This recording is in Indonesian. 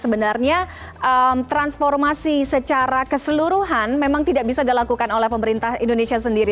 sebenarnya transformasi secara keseluruhan memang tidak bisa dilakukan oleh pemerintah indonesia sendiri